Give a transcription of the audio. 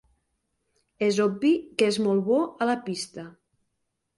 És obvi que és molt bo a la pista.